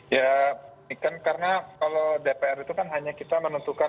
ya ini kan karena kalau dpr itu kan hanya kita menentukan